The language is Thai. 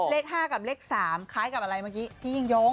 เลข๕กับเลข๓คล้ายกับอะไรเมื่อกี้พี่ยิ่งยง